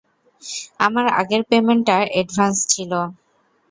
আমার আগের পেমেন্টটা এডভান্স ছিল।